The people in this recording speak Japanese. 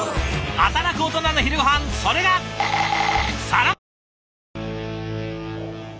働くオトナの昼ごはんそれが「サラメシ」。